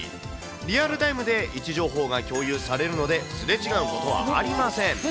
リアルタイムで位置情報が共有されるので、すれ違うことはありません。